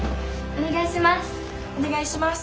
お願いします。